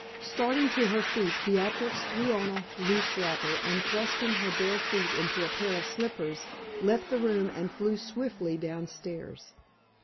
Starting to her feet, Beatrix threw on a loose wrapper, and thrusting her bare feet into a pair of slippers, left the room and flew swiftly down stairs.